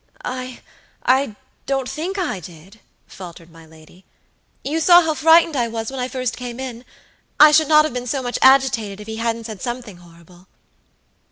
"IIdon't think I did," faltered my lady. "You saw how frightened I was when I first came in. I should not have been so much agitated if he hadn't said something horrible."